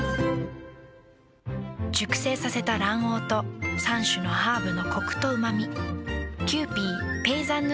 熟成させた卵黄と３種のハーブのコクとうま味。